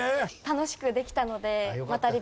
楽しくできたので。